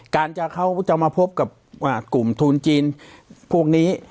เขาจะมาพบกับกลุ่มทุนจีนพวกนี้